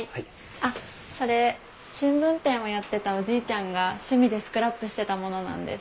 あっそれ新聞店をやってたおじいちゃんが趣味でスクラップしてたものなんです。